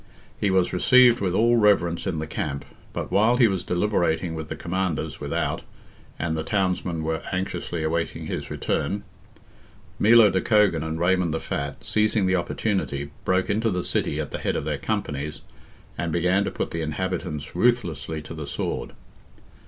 He was received with all reverence in the camp, but while he was deliberating with the commanders without, and the townsmen were anxiously awaiting his return, Milo de Cogan and Raymond the Fat, seizing the opportunity, broke into the city at the head of their companies, and began to put the inhabitants ruthlessly to the sword.